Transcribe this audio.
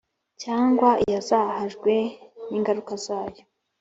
cyangwa iyazahajwe n ingaruka zayo